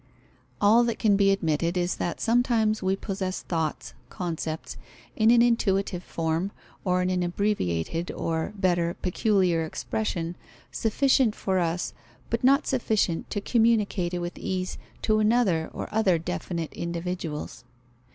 All that can be admitted is that sometimes we possess thoughts (concepts) in an intuitive form, or in an abbreviated or, better, peculiar expression, sufficient for us, but not sufficient to communicate it with ease to another or other definite individuals.